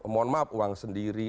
mohon maaf uang sendiri